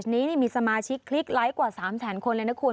นี่มีสมาชิกคลิกไลค์กว่า๓แสนคนเลยนะคุณ